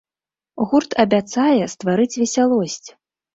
Гурт абяцае стварыць весялосць!